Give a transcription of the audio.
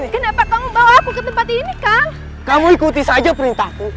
kenapa kau membawa aku ke tempat ini kang kamu ikuti saja perintahmu